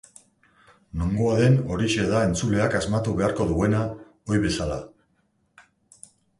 Nongoa den, horixe da entzuleak asmatu beharko duena, ohi bezala.